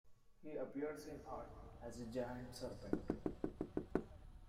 He appears in art as a giant serpent.